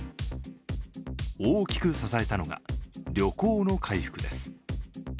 大きく支えたのが旅行の回復です。